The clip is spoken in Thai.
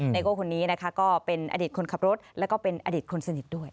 ไนโกคนนี้ก็เป็นอดิตคนขับรถและก็เป็นอดิตคนสนิทด้วย